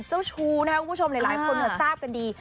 เจ้าชู้นะคะผู้ชมหลายคนสาบกันดี